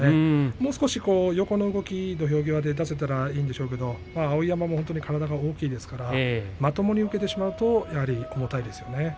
もう少し横の動き、土俵上で出せたらいいんでしょうけれど碧山、体が大きいですからまともに受けてしまうとこの体ですよね。